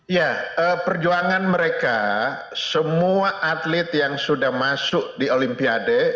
ya perjuangan mereka semua atlet yang sudah masuk di olimpiade